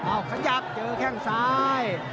อ้าวขยับเจอแค่งซ้าย